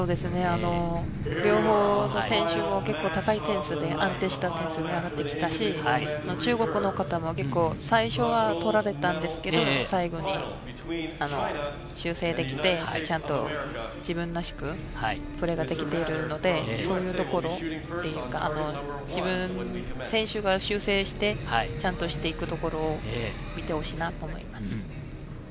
両方選手も結構高い点数で安定しているし、中国の方も結構最初は取られたんですけど、最後に修正できて、ちゃんと自分らしくプレーができているので、そういうところっていうか、選手が修正して、ちゃんとしていくところを見てほしいなと思いま